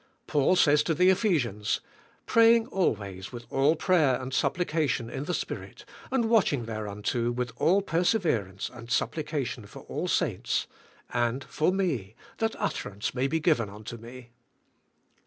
Paul says to the Kphesians, "Praying always with all prayer and supplication in the Spirit, and watch ing thereunto with all perseverance and supplica tion for all saints; and for me, that utterance may be g iven unto me."